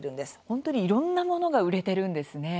本当にいろんなものが売れているんですね。